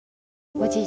おじい